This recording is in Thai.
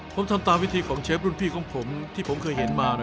ผมทำตามวิธีของเชฟรุ่นพี่ของผมที่ผมเคยเห็นมา